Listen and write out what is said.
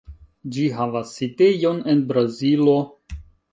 Ĝi havas sidejon en Brazilo.